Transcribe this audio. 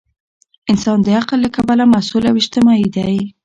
انسان د عقل له کبله مسؤل او اجتماعي دی.